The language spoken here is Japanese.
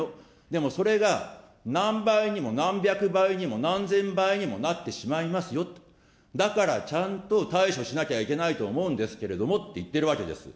でもそれが何倍にも何百倍にも何千倍にもなってしまいますよって、だからちゃんと、対処しなきゃいけないんですけれども言ってるんです。